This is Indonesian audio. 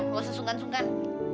nggak usah sungkan sungkan